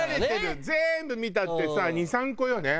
全部見たってさ２３個よね。